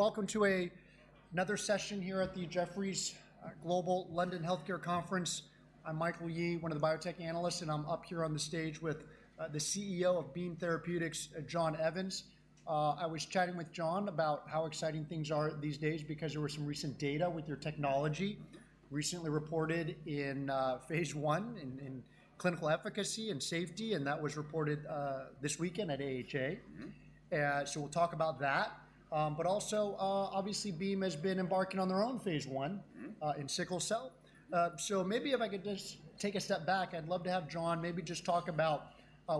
Welcome to another session here at the Jefferies Global London Healthcare Conference. I'm Michael Yee, one of the biotech analysts, and I'm up here on the stage with the CEO of Beam Therapeutics, John Evans. I was chatting with John about how exciting things are these days because there were some recent data with your technology recently reported in phase one clinical efficacy and safety, and that was reported this weekend at AHA. So we'll talk about that. But also, obviously, Beam has been embarking on their own phase I in sickle cell. So maybe if I could just take a step back, I'd love to have John maybe just talk about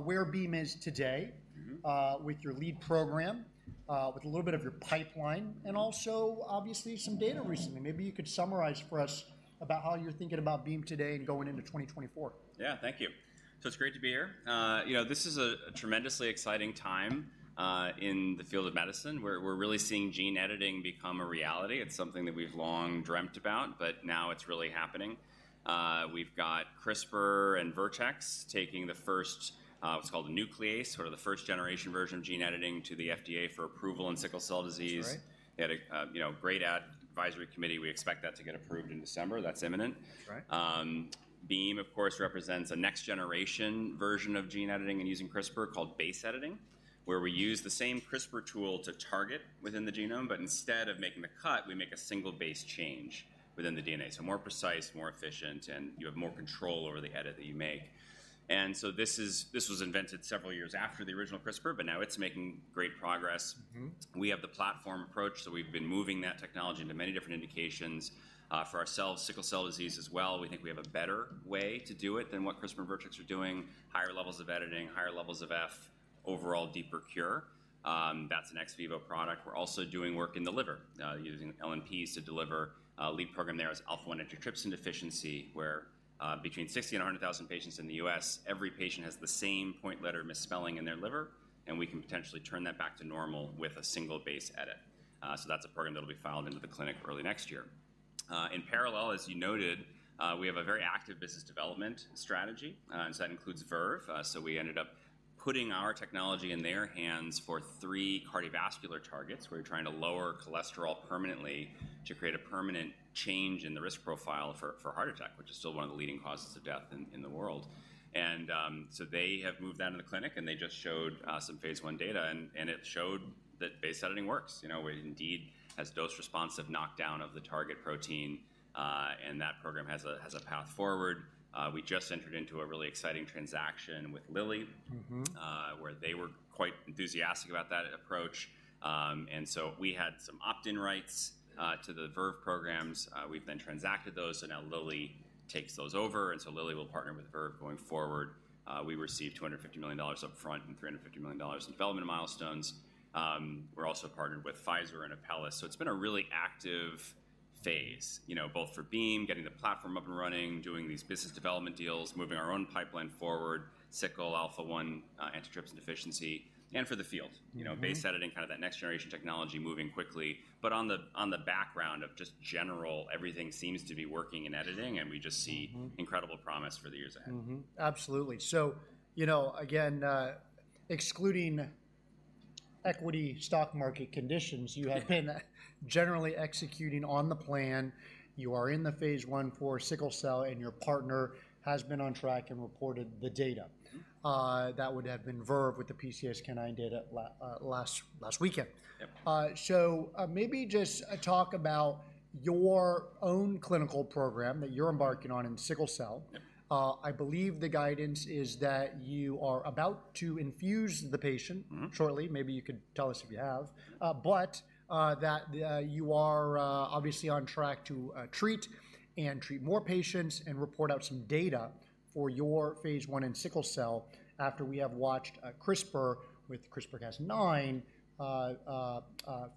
where Beam is today with your lead program, with a little bit of your pipeline, and also obviously some data recently. Maybe you could summarize for us about how you're thinking about Beam today and going into 2024. Yeah. Thank you. So it's great to be here. You know, this is a tremendously exciting time in the field of medicine, where we're really seeing gene editing become a reality. It's something that we've long dreamt about, but now it's really happening. We've got CRISPR and Vertex taking the first what's called a nuclease, sort of the first-generation version of gene editing, to the FDA for approval in sickle cell disease. That's right. They had a, you know, great advisory committee. We expect that to get approved in December. That's imminent. Right. Beam, of course, represents a next-generation version of gene editing and using CRISPR called base editing, where we use the same CRISPR tool to target within the genome, but instead of making the cut, we make a single base change within the DNA, so more precise, more efficient, and you have more control over the edit that you make. And so this was invented several years after the original CRISPR, but now it's making great progress. We have the platform approach, so we've been moving that technology into many different indications, for ourselves, sickle cell disease as well. We think we have a better way to do it than what CRISPR and Vertex are doing, higher levels of editing, higher levels of F, overall deeper cure. That's an ex vivo product. We're also doing work in the liver, using LNPs to deliver a lead program there as alpha-1 antitrypsin deficiency, where, between 60 and 100,000 patients in the U.S., every patient has the same point letter misspelling in their liver, and we can potentially turn that back to normal with a single base edit. So that's a program that'll be filed into the clinic early next year. In parallel, as you noted, we have a very active business development strategy, and so that includes Verve. So we ended up putting our technology in their hands for three cardiovascular targets. We're trying to lower cholesterol permanently to create a permanent change in the risk profile for heart attack, which is still one of the leading causes of death in the world. So they have moved that into the clinic, and they just showed some phase one data, and it showed that base editing works. You know, it indeed has dose-responsive knockdown of the target protein, and that program has a path forward. We just entered into a really exciting transaction with Lilly where they were quite enthusiastic about that approach. And so we had some opt-in rights to the Verve programs. We've then transacted those, so now Lilly takes those over, and so Lilly will partner with Verve going forward. We received $250 million upfront and $350 million in development milestones. We're also partnered with Pfizer and Apellis, so it's been a really active phase, you know, both for Beam, getting the platform up and running, doing these business development deals, moving our own pipeline forward, sickle, alpha-1 antitrypsin deficiency, and for the field. You know, base editing, kind of that next-generation technology moving quickly. But on the background of just general, everything seems to be working in editing, and we just see incredible promise for the years ahead. Mm-hmm. Absolutely. So, you know, again, excluding equity stock market conditions... you have been generally executing on the plan. You are in the phase I for sickle cell, and your partner has been on track and reported the data. That would have been Verve with the PCSK9 data last weekend. Yep. So, maybe just talk about your own clinical program that you're embarking on in sickle cell. Yep. I believe the guidance is that you are about to infuse the patient shortly. Maybe you could tell us if you have. But that you are obviously on track to treat and treat more patients and report out some data for your phase one in sickle cell. After we have watched CRISPR with CRISPR-Cas9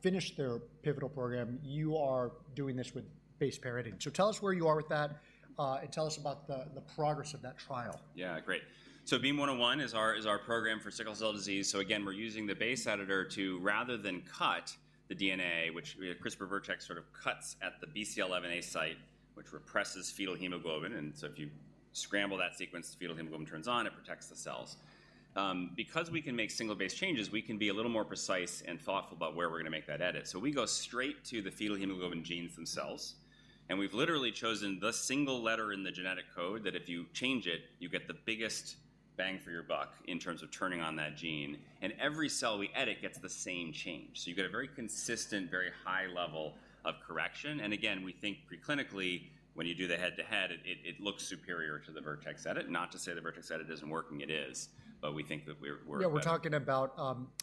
finish their pivotal program, you are doing this with base editing. So tell us where you are with that, and tell us about the progress of that trial. Yeah, great. So BEAM-101 is our, is our program for sickle cell disease. So again, we're using the base editor to rather than cut the DNA, which CRISPR Vertex sort of cuts at the BCL11A site, which represses fetal hemoglobin, and so if you scramble that sequence, the fetal hemoglobin turns on, it protects the cells. Because we can make single-base changes, we can be a little more precise and thoughtful about where we're gonna make that edit. So we go straight to the fetal hemoglobin genes themselves, and we've literally chosen the single letter in the genetic code that if you change it, you get the biggest bang for your buck in terms of turning on that gene, and every cell we edit gets the same change. So you get a very consistent, very high level of correction, and again, we think preclinically, when you do the head-to-head, it looks superior to the Vertex edit. Not to say the Vertex edit isn't working, it is, but we think that we're- Yeah, we're talking about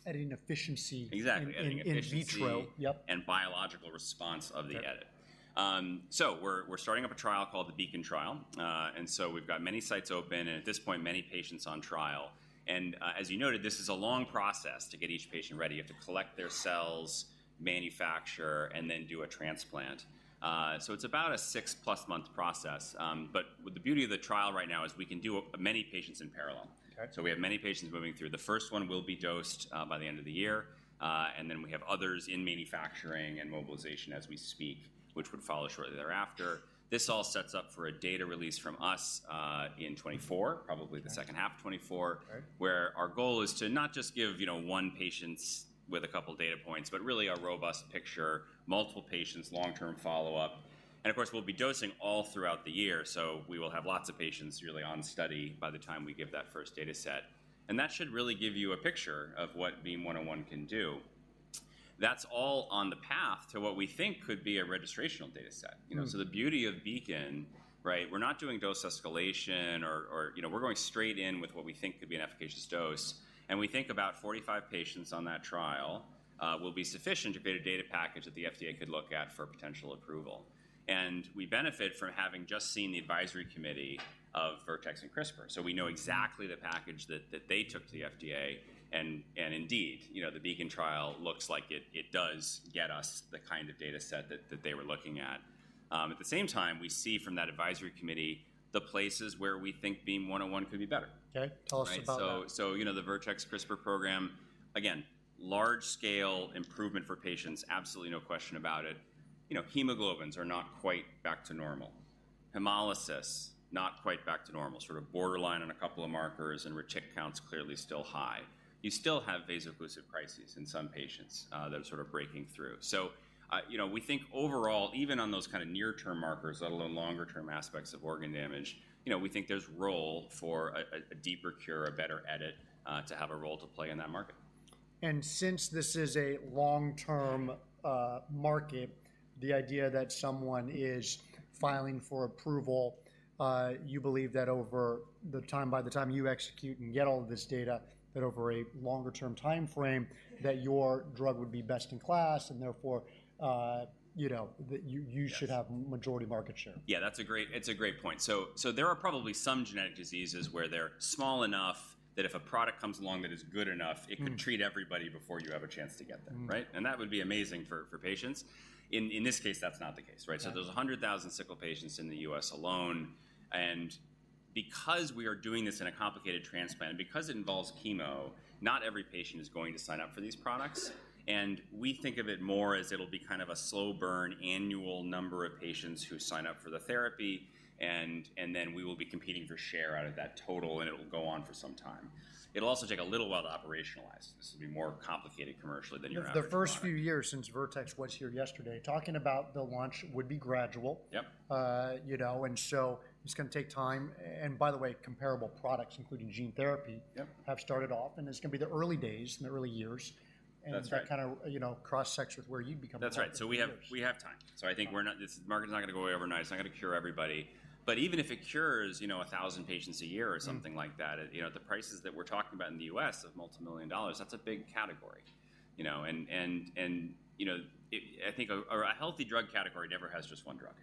editing efficiency- Exactly, editing efficiency-... in vitro. Yep. Biological response of the edit. Okay. So we're starting up a trial called the BEACON trial. We've got many sites open, and at this point, many patients on trial. As you noted, this is a long process to get each patient ready. You have to collect their cells, manufacture, and then do a transplant. It's about a six plus month process, but with the beauty of the trial right now is we can do many patients in parallel. Okay. So we have many patients moving through. The first one will be dosed by the end of the year, and then we have others in manufacturing and mobilization as we speak, which would follow shortly thereafter. This all sets up for a data release from us in 2024, probably the second half of 2024 where our goal is to not just give, you know, one patient with a couple of data points, but really a robust picture, multiple patients, long-term follow-up. Of course, we'll be dosing all throughout the year, so we will have lots of patients really on study by the time we give that first data set. That should really give you a picture of what BEAM-101 can do.... That's all on the path to what we think could be a registrational data set. You know, so the beauty of Beam, right, we're not doing dose escalation or, or you know, we're going straight in with what we think could be an efficacious dose, and we think about 45 patients on that trial will be sufficient to create a data package that the FDA could look at for potential approval. And we benefit from having just seen the advisory committee of Vertex and CRISPR, so we know exactly the package that, that they took to the FDA, and, and indeed, you know, the Beam trial looks like it, it does get us the kind of data set that, that they were looking at. At the same time, we see from that advisory committee the places where we think BEAM-101 could be better. Okay, tell us about that. Right, so, you know, the Vertex CRISPR program, again, large scale improvement for patients, absolutely no question about it. You know, hemoglobins are not quite back to normal. Hemolysis, not quite back to normal, sort of borderline on a couple of markers and retic counts clearly still high. You still have vaso-occlusive crises in some patients, that are sort of breaking through. So, you know, we think overall, even on those kind of near-term markers, let alone longer term aspects of organ damage, you know, we think there's role for a deeper cure, a better edit, to have a role to play in that market. Since this is a long-term market, the idea that someone is filing for approval, you believe that over the time—by the time you execute and get all of this data, that over a longer-term time frame, that your drug would be best in class, and therefore, you know, that you should have majority market share? Yes. Yeah, that's a great point. It's a great point. So there are probably some genetic diseases where they're small enough that if a product comes along that is good enough it could treat everybody before you have a chance to get them. Right? And that would be amazing for, for patients. In, in this case, that's not the case, right? Right. So there's 100,000 sickle patients in the U.S. alone, and because we are doing this in a complicated transplant, because it involves chemo, not every patient is going to sign up for these products. We think of it more as it'll be kind of a slow burn, annual number of patients who sign up for the therapy, and, and then we will be competing for share out of that total, and it will go on for some time. It'll also take a little while to operationalize this. It'll be more complicated commercially than your average product. The first few years since Vertex was here yesterday, talking about the launch would be gradual. Yep. You know, and so it's gonna take time, and by the way, comparable products, including gene therapy have started off, and it's gonna be the early days and the early years. That's right. And that kind of, you know, cross-sections where you become part of it. That's right. So we have time. So I think we're not, this market's not gonna go away overnight. It's not gonna cure everybody. But even if it cures, you know, a 1,000 patients a year or something like that, you know, the prices that we're talking about in the U.S. of $multi-million, that's a big category, you know? And, you know, it. I think a healthy drug category never has just one drug.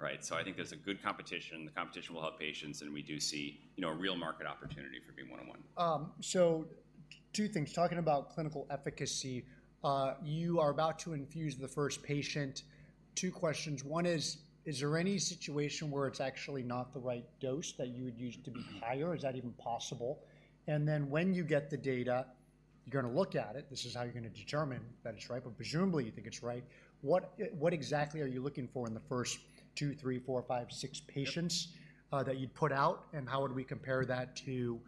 Right? So I think there's a good competition. The competition will help patients, and we do see, you know, a real market opportunity for BEAM-101. So two things, talking about clinical efficacy, you are about to infuse the first patient. Two questions: one is, is there any situation where it's actually not the right dose, that you would use it to be higher? Is that even possible? And then when you get the data, you're gonna look at it. This is how you're gonna determine that it's right, but presumably, you think it's right. What, what exactly are you looking for in the first two, three, four, five, six patients that you'd put out, and how would we compare that to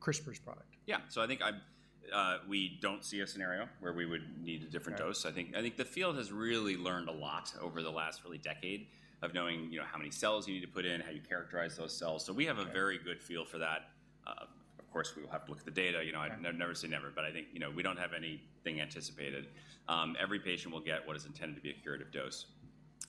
CRISPR's product? Yeah. So I think I'm, we don't see a scenario where we would need a different dose. Right. I think, I think the field has really learned a lot over the last really decade of knowing, you know, how many cells you need to put in, how you characterize those cells. Right. So we have a very good feel for that. Of course, we will have to look at the data. You know I'd never say never, but I think, you know, we don't have anything anticipated. Every patient will get what is intended to be a curative dose.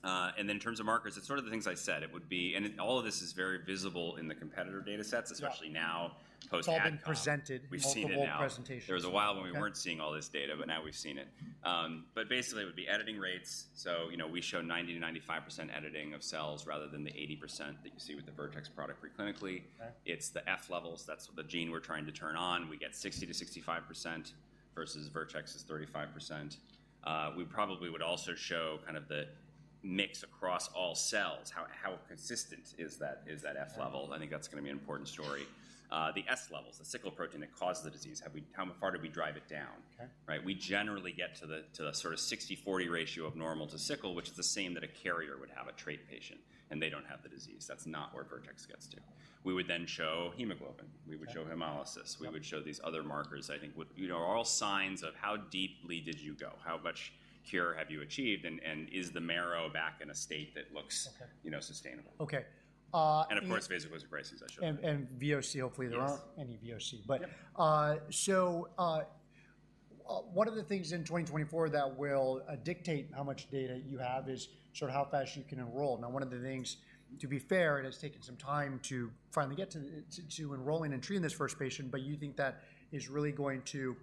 And then in terms of markers, it's sort of the things I said, it would be, and it, all of this is very visible in the competitor data sets. Yeah Especially now, post AdCom. It's all been presented. We've seen it now. Multiple presentations. There was a while when we weren't seeing all this data, but now we've seen it. But basically, it would be editing rates. So, you know, we show 90%-95% editing of cells rather than the 80% that you see with the Vertex product pre-clinically. Okay. It's the F levels, that's the gene we're trying to turn on. We get 60%-65%, versus Vertex's 35%. We probably would also show kind of the mix across all cells, how consistent is that, is that F level? Okay. I think that's gonna be an important story. The S levels, the sickle protein that causes the disease, have we how far do we drive it down? Okay. Right. We generally get to the sort of 60/40 ratio of normal to sickle, which is the same that a carrier would have, a trait patient, and they don't have the disease. That's not where Vertex gets to. We would then show hemoglobin. Okay. We would show hemolysis. Yep. We would show these other markers, I think, with you know, are all signs of how deeply did you go, how much cure have you achieved, and is the marrow back in a state that looks you know, sustainable? Okay. Of course, vaso-occlusive crises, I showed. VOC, hopefully there aren't any VOC. Yep. So one of the things in 2024 that will dictate how much data you have is sort of how fast you can enroll. Now, one of the things, to be fair, it has taken some time to finally get to enrolling and treating this first patient, but you think that is really going to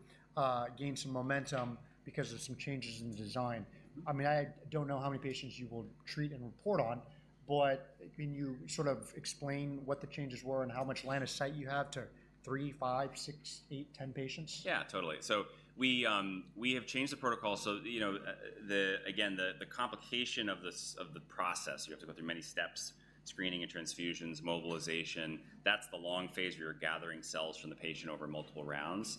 gain some momentum because of some changes in the design. I mean, I don't know how many patients you will treat and report on, but can you sort of explain what the changes were and how much line of sight you have to three, five, six ,eight, 10 patients? Yeah, totally. So we have changed the protocol, so you know, Again, the complication of the process, you have to go through many steps: screening and transfusions, mobilization. That's the long phase where you're gathering cells from the patient over multiple rounds.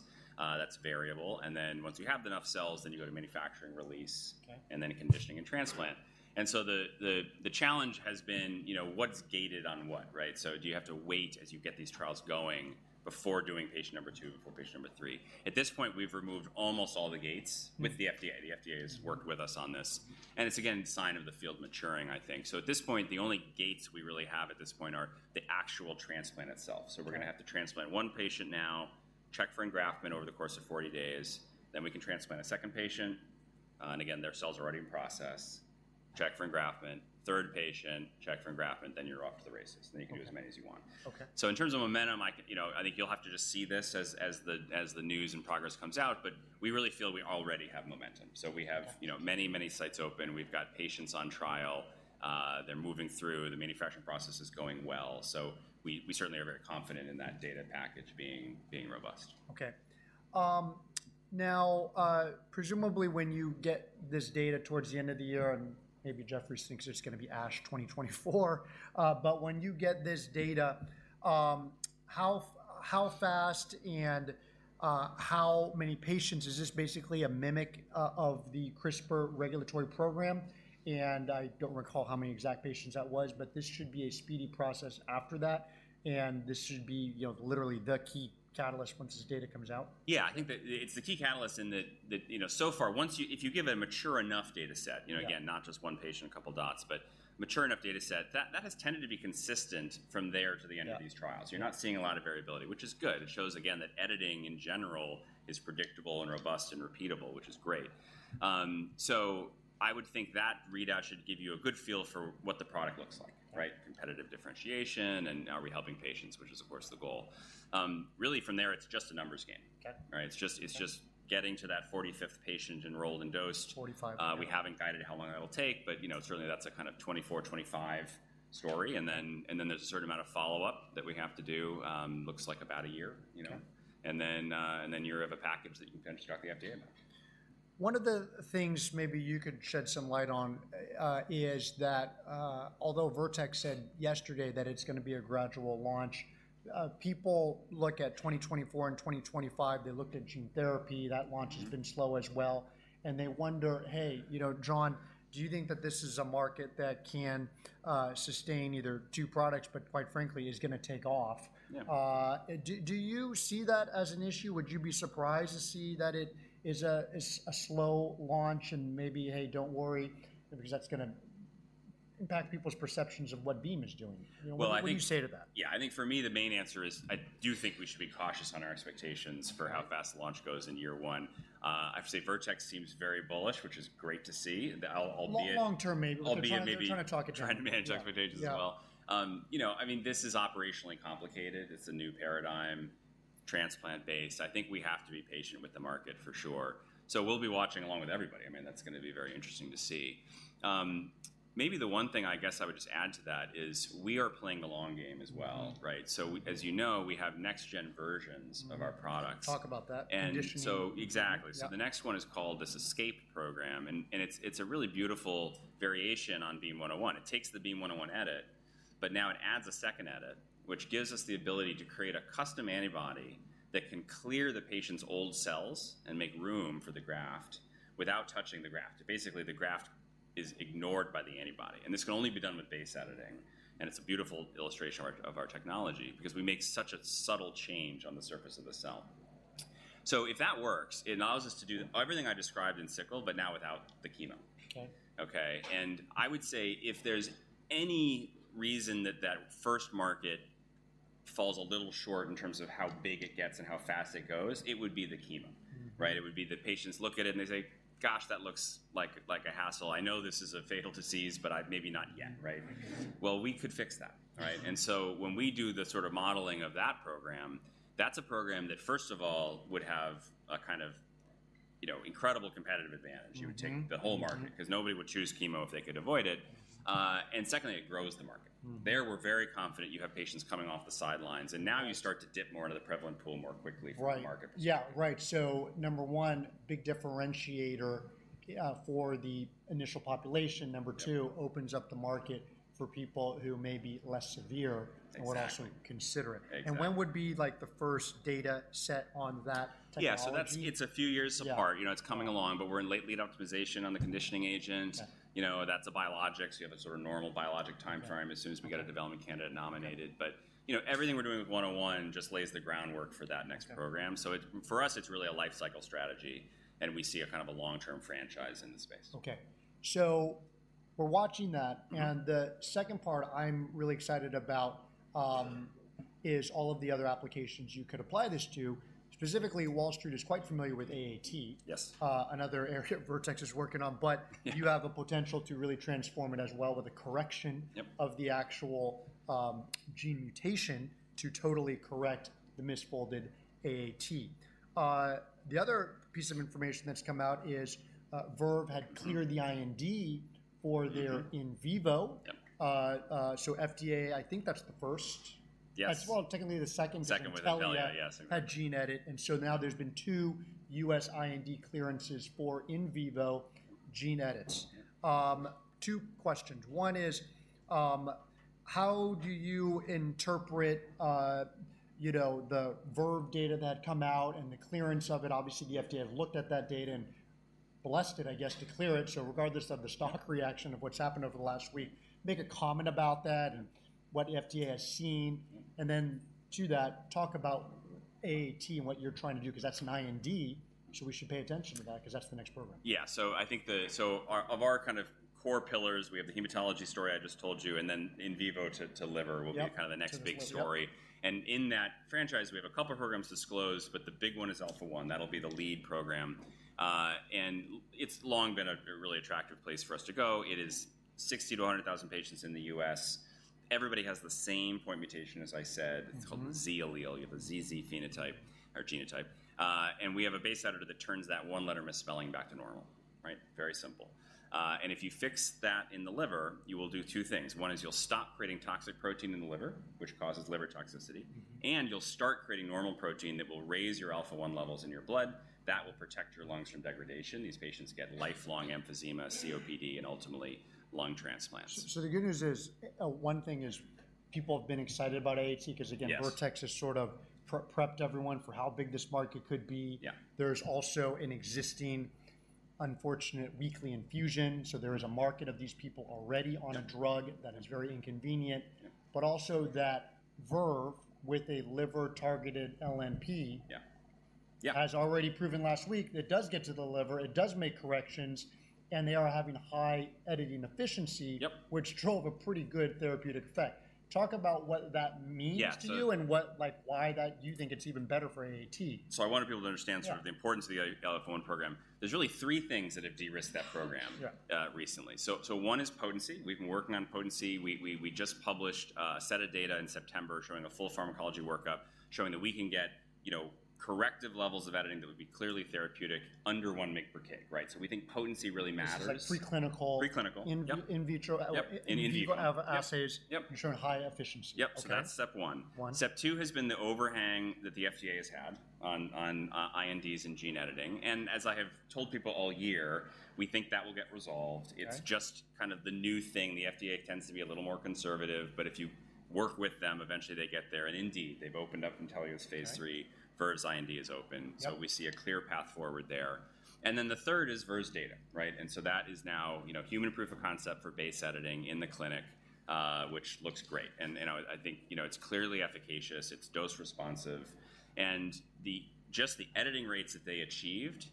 That's variable, and then once you have enough cells, then you go to manufacturing, release and then conditioning and transplant. So the challenge has been, you know, what's gated on what, right? Do you have to wait as you get these trials going before doing patient number two, before patient number three? At this point, we've removed almost all the gates with the FDA. The FDA has worked with us on this, and it's, again, a sign of the field maturing, I think. So at this point, the only gates we really have at this point are the actual transplant itself. So we're gonna have to transplant one patient now, check for engraftment over the course of 40 days. Then we can transplant a second patient, and again, their cells are already in process, check for engraftment, third patient, check for engraftment, then you're off to the races, and then you can do as many as you want. Okay. So in terms of momentum, I can, you know, I think you'll have to just see this as the news and progress comes out, but we really feel we already have momentum. Okay. So we have, you know, many, many sites open. We've got patients on trial. They're moving through, the manufacturing process is going well. So we certainly are very confident in that data package being robust. Okay. Now, presumably when you get this data towards the end of the year, and maybe Jefferies thinks it's gonna be ASH 2024, but when you get this data, how fast and how many patients? Is this basically a mimic of the CRISPR regulatory program? And I don't recall how many exact patients that was, but this should be a speedy process after that, and this should be, you know, literally the key catalyst once this data comes out. Yeah, I think that it's the key catalyst in that, you know, so far, once you - if you give a mature enough data set you know, again, not just one patient, a couple dots, but mature enough data set, that has tended to be consistent from there to the end of these trials. Yeah. You're not seeing a lot of variability, which is good. It shows again, that editing in general is predictable, and robust, and repeatable, which is great. So I would think that readout should give you a good feel for what the product looks like, right? Okay. Competitive differentiation, and are we helping patients, which is, of course, the goal. Really from there, it's just a numbers game. Okay. Right? It's just it's just getting to that 45th patient enrolled and dosed. 45 yeah. We haven't guided how long that will take, but, you know, certainly that's a kind of 24-25 story. Okay. Then there's a certain amount of follow-up that we have to do, looks like about a year, you know? Okay. And then you have a package that you can start the FDA about. One of the things maybe you could shed some light on is that, although Vertex said yesterday that it's gonna be a gradual launch, people look at 2024 and 2025, they looked at gene therapy that launch has been slow as well, and they wonder, "Hey, you know, John, do you think that this is a market that can sustain either two products, but quite frankly, is gonna take off? Yeah. Do you see that as an issue? Would you be surprised to see that it is a slow launch, and maybe, "Hey, don't worry," because that's gonna impact people's perceptions of what Beam is doing. Well, I think- What would you say to that? Yeah, I think for me, the main answer is, I do think we should be cautious on our expectations for how fast the launch goes in year one. I have to say, Vertex seems very bullish, which is great to see. Albeit- Long-term maybe- Albeit maybe-... they're trying to talk it down. Trying to manage expectations as well. Yeah, yeah. You know, I mean, this is operationally complicated. It's a new paradigm, transplant-based. I think we have to be patient with the market for sure. We'll be watching along with everybody. I mean, that's gonna be very interesting to see. Maybe the one thing I guess I would just add to that is we are playing the long game as well. Right? So we—as you know, we have next gen versions-... of our products. Talk about that, conditioning. Exactly. Yeah. So the next one is called this ESCAPE program, and it's a really beautiful variation on BEAM-101. It takes the BEAM-101 edit, but now it adds a second edit, which gives us the ability to create a custom antibody that can clear the patient's old cells and make room for the graft without touching the graft. Basically, the graft is ignored by the antibody, and this can only be done with base editing, and it's a beautiful illustration of our technology because we make such a subtle change on the surface of the cell. So if that works, it allows us to do everything I described in sickle, but now without the chemo. Okay. Okay, and I would say if there's any reason that that first market falls a little short in terms of how big it gets and how fast it goes, it would be the chemo. Right? It would be the patients look at it, and they say, "Gosh, that looks like, like a hassle. I know this is a fatal disease, but I-- maybe not yet," right? Well, we could fix that, right? And so when we do the sort of modeling of that program, that's a program that, first of all, would have a kind of, you know, incredible competitive advantage. You would take the whole market. Because nobody would choose chemo if they could avoid it. And secondly, it grows the market. There, we're very confident you have patients coming off the sidelines, and now you start to dip more into the prevalent pool more quickly for the market. Yeah, right. So number one, big differentiator, for the initial population. Number two, opens up the market for people who may be less severe and would actually consider it. Exactly. Exactly. When would be, like, the first data set on that technology? Yeah, so it's a few years apart. Yeah. You know, it's coming along, but we're in late lead optimization on the conditioning agent. You know, that's a biologics. You have a sort of normal biologic time frame as soon as we get a development candidate nominated. Okay. But, you know, everything we're doing with 101 just lays the groundwork for that next program. Okay. So for us, it's really a lifecycle strategy, and we see a kind of a long-term franchise in the space. Okay. So we're watching that. The second part I'm really excited about is all of the other applications you could apply this to. Specifically, Wall Street is quite familiar with AAT, another area Vertex is working on. Yeah. But you have a potential to really transform it as well with the correction of the actual, gene mutation to totally correct the misfolded AAT. The other piece of information that's come out is, Verve had cleared the IND for their in vivo. Yep. So, FDA, I think that's the first. Yes. Well, technically the second with Intellia case. Second with Intellia case, yes, I agree. That gene edit, and so now there's been two U.S. IND clearances for in vivo gene edits. Yeah. Two questions. One is, how do you interpret, you know, the Verve data that come out and the clearance of it? Obviously, the FDA have looked at that data and blessed it, I guess, to clear it. So regardless of the stock reaction of what's happened over the last week, make a comment about that and what the FDA has seen. And then to that, talk about AAT and what you're trying to do, 'cause that's an IND, so we should pay attention to that, 'cause that's the next program. Yeah. So I think our kind of core pillars, we have the hematology story I just told you, and then in vivo to liver will be kind of the next big story. To the liver, yep. In that franchise, we have a couple programs disclosed, but the big one is alpha-1. That'll be the lead program. And it's long been a really attractive place for us to go. It is 60,000-100,000 patients in the U.S. Everybody has the same point mutation, as I said. It's called the Z allele. You have a ZZ phenotype or genotype. We have a base editor that turns that one letter misspelling back to normal, right? Very simple. If you fix that in the liver, you will do two things: one is you'll stop creating toxic protein in the liver, which causes liver toxicity, and you'll start creating normal protein that will raise your alpha-1 levels in your blood. That will protect your lungs from degradation. These patients get lifelong emphysema, COPD, and ultimately, lung transplants. The good news is, one thing is people have been excited about AAT. Yes. Because, again, Vertex has sort of pre-prepped everyone for how big this market could be. There's also an existing unfortunate weekly infusion, so there is a market of these people already on a drug that is very inconvenient. Yeah. But also that Verve, with a liver-targeted LNP has already proven last week that it does get to the liver, it does make corrections, and they are having high editing efficiency which drove a pretty good therapeutic effect. Talk about what that means to you and what, like, why that you think it's even better for AAT. I wanted people to understand sort of the importance of the alpha-1 program. There's really three things that have de-risked that program recently Yeah. So, one is potency. We've been working on potency. We just published a set of data in September showing a full pharmacology workup, showing that we can get, you know, corrective levels of editing that would be clearly therapeutic under 1 mg per kg, right? So we think potency really matters. This is like preclinical. Preclinical, yep. In vitro assays. Yep, in vivo. Ensuring high efficiency. Yep. Okay. That's step one. One. Step two has been the overhang that the FDA has had on INDs and gene editing, and as I have told people all year, we think that will get resolved. Okay. It's just kind of the new thing. The FDA tends to be a little more conservative, but if you work with them, eventually they get there, and indeed, they've opened up Intellia's phase III. Verve's IND is open. So we see a clear path forward there. And then the third is Verve's data, right? And so that is now, you know, human proof of concept for base editing in the clinic, which looks great, and, and I, I think, you know, it's clearly efficacious, it's dose responsive. And the, just the editing rates that they achieved,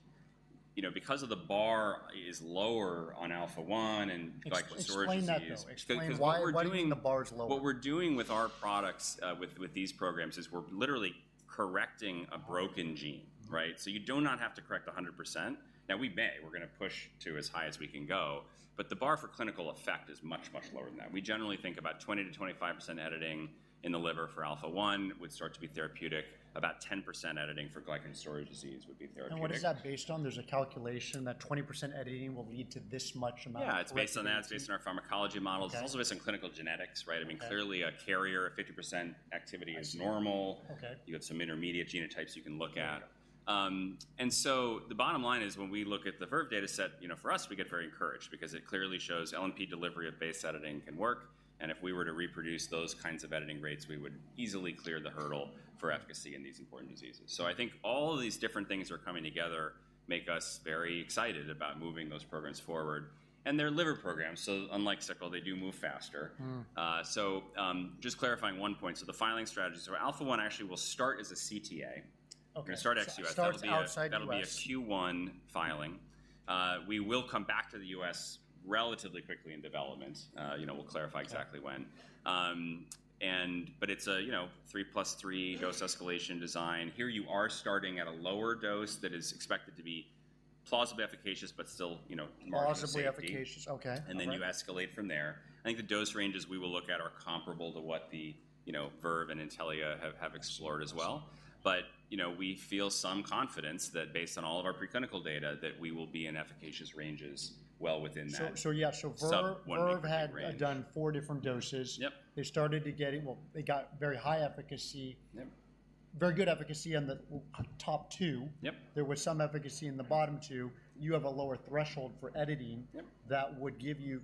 you know, because the bar is lower on alpha-1 and glycogen storage disease- Explain that, though. 'Cause what we're doing- Explain why, why do you think the bar is lower? What we're doing with our products, with these programs is we're literally correcting a broken gene, right? You do not have to correct 100%. Now, we may. We're gonna push to as high as we can go, but the bar for clinical effect is much, much lower than that. We generally think about 20%-25% editing in the liver for alpha-1 would start to be therapeutic. About 10% editing for glycogen storage disease would be therapeutic. What is that based on? There's a calculation that 20% editing will lead to this much amount of correction? Yeah, it's based on that. It's based on our pharmacology models. Okay. It's also based on clinical genetics, right? Okay. I mean, clearly, a carrier of 50% activity is normal. I see. Okay. You have some intermediate genotypes you can look at. And so the bottom line is when we look at the Verve data set, you know, for us, we get very encouraged because it clearly shows LNP delivery of base editing can work, and if we were to reproduce those kinds of editing rates, we would easily clear the hurdle for efficacy in these important diseases. So I think all of these different things are coming together make us very excited about moving those programs forward, and they're liver programs, so unlike sickle, they do move faster. Just clarifying one point, so the filing strategies. So Alpha-1 actually will start as a CTA. Okay. It's gonna start ex-U.S. Start outside the U.S. That'll be a Q1 filing. We will come back to the U.S. relatively quickly in development. You know, we'll clarify exactly when. Okay. But it's a, you know, 3+3 dose escalation design. Here you are starting at a lower dose that is expected to be plausibly efficacious, but still, you know, margin of safety. Plausibly efficacious, okay. All right. Then you escalate from there. I think the dose ranges we will look at are comparable to what the, you know, Verve and Intellia have explored as well. I see. But, you know, we feel some confidence that based on all of our preclinical data, that we will be in efficacious ranges well within that- Yeah, so Verve... Sub 1 mg per kg range. Verve had done four different doses. Well, they got very high efficacy, very good efficacy on the top two. Yep. There was some efficacy in the bottom two. You have a lower threshold for editing that would give you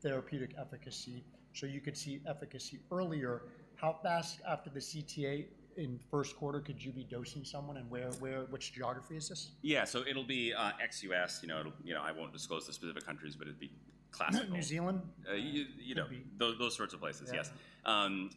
therapeutic efficacy, so you could see efficacy earlier. How fast after the CTA in first quarter could you be dosing someone, and where, where, which geography is this? Yeah, so it'll be ex-U.S., you know, it'll... You know, I won't disclose the specific countries, but it'd be classical. New Zealand? You know, those sorts of places. Yeah. Yes.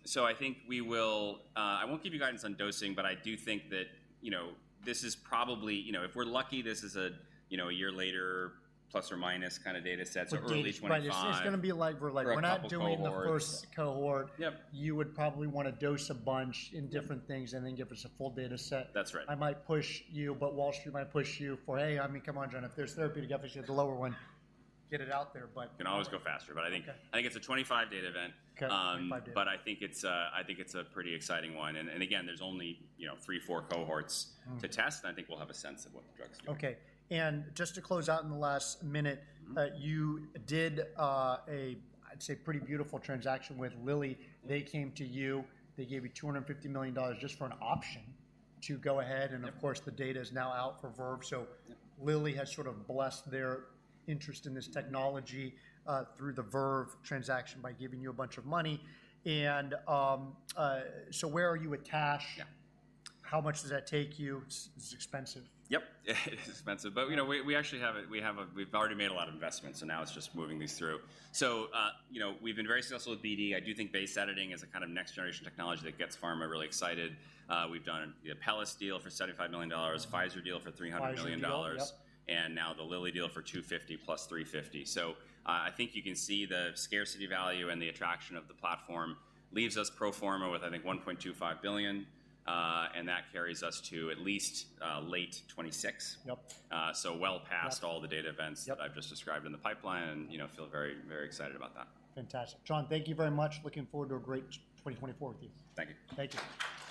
So I think we will. I won't give you guidance on dosing, but I do think that, you know, this is probably, you know, if we're lucky, this is a, you know, a year later, plus or minus kind of data set, so early 2025. But right, it's just gonna be like for like. We're not doing the first cohort. You would probably wanna dose a bunch in different things and then give us a full data set. That's right. I might push you, but Wall Street might push you for, "Hey, I mean, come on, John, if there's therapeutic efficacy with the lower one, get it out there," but... You can always go faster, but I think- Okay I think it's a 25 data event. Okay, 25 data. But I think it's a pretty exciting one, and again, there's only, you know, three, four cohorts to test, and I think we'll have a sense of what the drug's doing. Okay, and just to close out in the last minute. You did a, I'd say, pretty beautiful transaction with Lilly. They came to you. They gave you $250 million just for an option to go ahead and of course, the data is now out for Verve. Yep. So Lilly has sort of blessed their interest in this technology through the Verve transaction by giving you a bunch of money, and, so where are you with cash? Yeah. How much does that take you? It's expensive. Yep, it is expensive, but, you know, we actually have a-- we've already made a lot of investments, so now it's just moving these through. So, you know, we've been very successful with BD. I do think base editing is a kind of next-generation technology that gets pharma really excited. We've done the Apellis deal for $75 million, Pfizer deal for $300 million- Pfizer deal, yep.... and now the Lilly deal for $250 million plus $350 million. So, I think you can see the scarcity value and the attraction of the platform leaves us pro forma with, I think, $1.25 billion, and that carries us to at least, late 2026. Yep. So well past all the data events that I've just described in the pipeline, and, you know, feel very, very excited about that. Fantastic. John, thank you very much. Looking forward to a great 2024 with you. Thank you. Thank you.